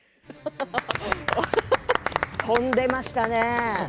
飛んでいましたね。